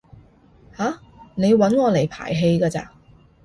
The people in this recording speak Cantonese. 吓？你搵我嚟排戲㗎咋？